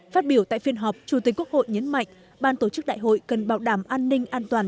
phát biểu tại phiên họp chủ tịch quốc hội nhấn mạnh ban tổ chức đại hội cần bảo đảm an ninh an toàn